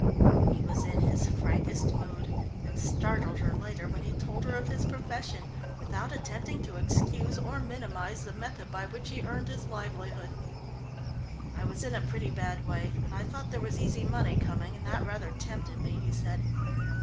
He was in his frankest mood, and startled her later when he told her of his profession, without attempting to excuse or minimise the method by which he earned his livelihood. "I was in a pretty bad way, and I thought there was easy money coming, and that rather tempted me," he said.